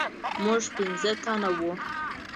موږ پنځه تنه وو.